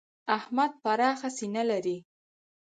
احمد پراخه سینه لري.